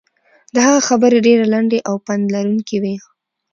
د هغه خبرې ډېرې لنډې او پند لرونکې وې.